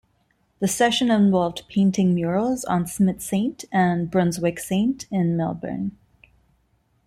The session involved painting murals on Smith Saint and Brunswick Saint in Melbourne.